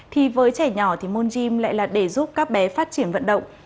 thì với trẻ nhỏ thì môn gym lại là để giúp các bé phát triển vận động